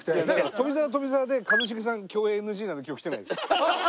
富澤は富澤で一茂さん共演ＮＧなので今日来てないです。